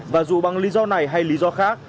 và dù bằng lý do này hay lý do khác